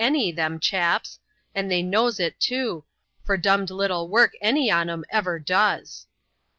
anj, tliem chaps ; and they knows it too, for dumned little work any on 'em ever does."